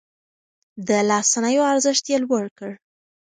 د لاس صنايعو ارزښت يې لوړ کړ.